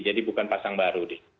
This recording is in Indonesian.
jadi bukan pasang baru